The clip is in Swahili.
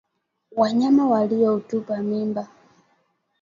Wanyama waliotupa mimba